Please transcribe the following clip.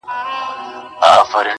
• زموږ پر درد یې ګاونډي دي خندولي -